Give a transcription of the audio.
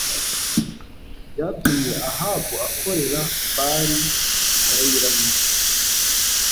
byatumye Ahabu akorera Bāli arayiramya